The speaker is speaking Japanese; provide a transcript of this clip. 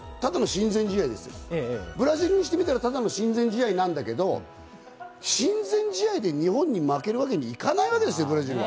ブラジルにしてもただの親善試合なんだけど、親善試合で日本に負けるわけにいかないわけですよ。